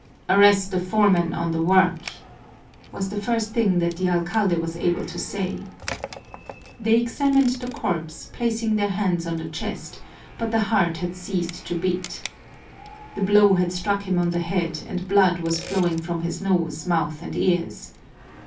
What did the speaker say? "Arrest the foreman on the work!" was the first thing that the alcalde was able to say. They examined the corpse, placing their hands on the chest, but the heart had ceased to beat. The blow had struck him on the head, and blood was flowing from his nose, mouth, and ears.